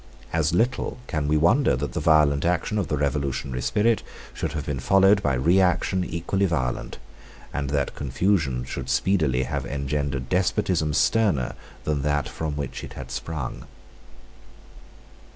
As little can we wonder that the violent action of the revolutionary spirit should have been followed by reaction equally violent, and that confusion should speedily have engendered despotism sterner than that from which it had sprung.